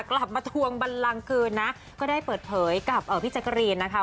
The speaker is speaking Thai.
กลับมาทวงบันลังเกินนะก็ได้เปิดเผยกับพี่แจ๊กรีนนะคะ